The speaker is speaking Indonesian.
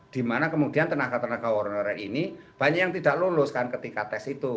dimana kemudian tenaga tenaga honorer ini banyak yang tidak lolos kan ketika tes itu